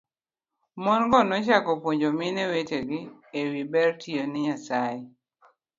Mon go nochako puonjo mine wetegi e wi ber mar tiyo ne Nyasaye